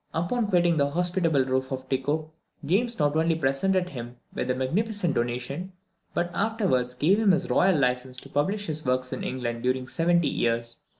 Upon quitting the hospitable roof of Tycho, James not only presented him with a magnificent donation, but afterwards gave him his royal license to publish his works in England during seventy years.